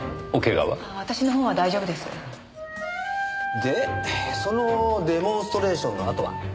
でそのデモンストレーションのあとは？